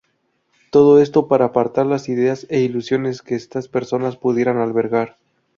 Todo esto para apartar las ideas e ilusiones que estas personas pudieran albergar.